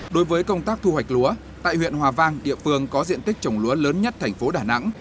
đối với công tác thu hoạch lúa tại huyện hòa vang địa phương có diện tích trồng lúa lớn nhất thành phố đà nẵng